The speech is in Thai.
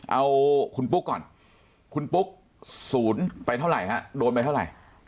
เอาคุณปุ๊กก่อนคุณปุ๊กศูนย์ไปเท่าไหร่ฮะโดนไปเท่าไหร่